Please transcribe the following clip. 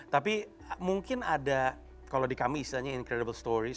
tapi mungkin ada kalau di kami istilahnya incredible stories